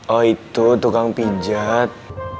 oh itu tukang pijat